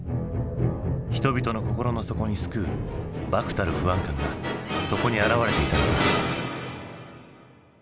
人々の心の底に巣くう漠たる不安感がそこに表れていたのか。